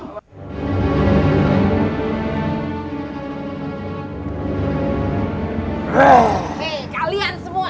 hei kalian semua